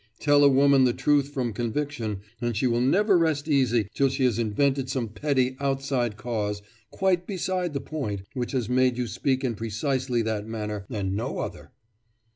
Tell a woman the truth from conviction, and she will never rest easy till she has invented some petty outside cause quite beside the point which has made you speak in precisely that manner and no other.